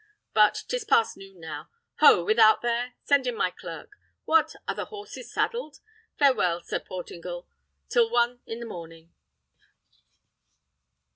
But 'tis past noon now. Ho! without there! Send in my clerk. What! are the horses saddled? Farewell, Sir Portingal, till one i' the morning!"